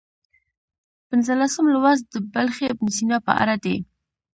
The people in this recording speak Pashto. پنځلسم لوست د بلخي ابن سینا په اړه دی.